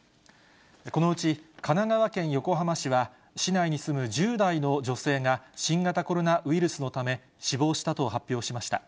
このうち、神奈川県横浜市は、市内に住む１０代の女性が、新型コロナウイルスのため、死亡したと発表しました。